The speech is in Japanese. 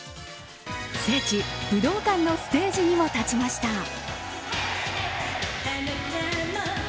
聖地、武道館のステージにも立ちました。